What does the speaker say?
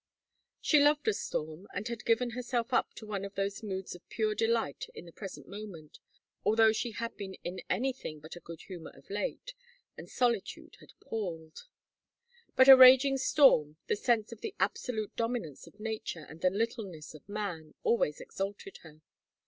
She loved a storm and had given herself up to one of those moods of pure delight in the present moment, although she had been in anything but a good humor of late, and solitude had palled. But a raging storm, the sense of the absolute dominance of nature and the littleness of man, always exalted her.